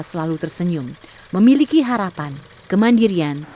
selalu tersenyum memiliki harapan kemandirian